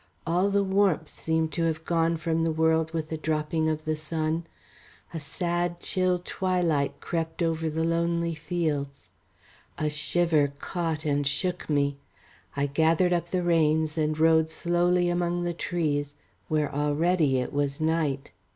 All the warmth seemed to have gone from the world with the dropping of the sun. A sad chill twilight crept over the lonely fields. A shiver caught and shook me; I gathered up the reins and rode slowly among the trees, where already it was night.